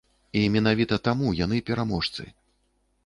І менавіта таму яны пераможцы.